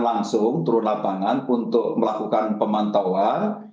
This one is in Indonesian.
langsung turun lapangan untuk melakukan pemantauan